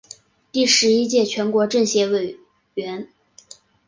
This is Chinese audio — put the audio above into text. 第十一届全国政协委员。